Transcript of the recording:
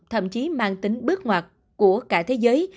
thậm chí mang tính bước ngoặt của cả thế giới